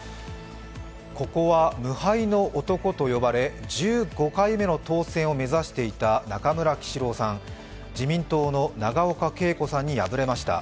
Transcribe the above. ここは無敗の男と呼ばれ、１５回目の当選を目指していた中村喜四郎さん、自民党の永岡桂子さんに敗れました。